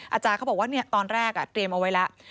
อาจารย์เขาบอกว่าตอนแรกเตรียมเอาไว้แล้ว